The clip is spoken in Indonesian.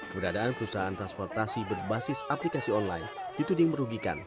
keberadaan perusahaan transportasi berbasis aplikasi online dituding merugikan